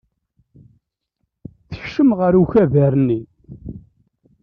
Tekcem ɣer ukabar-nni.